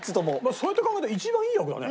そうやって考えたら一番いい役だね。